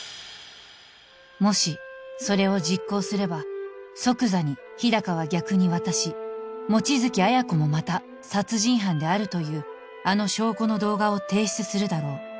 もしそれを実行すれば即座に日高は逆に私望月彩子もまた殺人犯であるというあの証拠の動画を提出するだろう